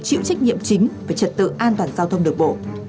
chịu trách nhiệm chính về trật tự an toàn giao thông được bộ